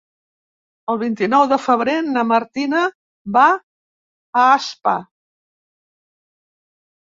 El vint-i-nou de febrer na Martina va a Aspa.